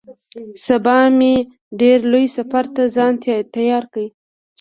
سبا مې ډېر لوی سفر ته ځان تيار کړ.